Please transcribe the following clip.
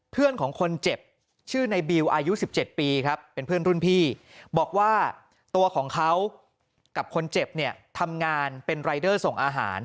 เพื่อนของคนเจ็บชื่อในบิวอายุ๑๗ปีครับเป็นเพื่อนรุ่นพี่บอกว่าตัวของเขากับคนเจ็บเนี่ยทำงานเป็นรายเดอร์ส่งอาหาร